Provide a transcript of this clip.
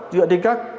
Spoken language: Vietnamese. dựa trên các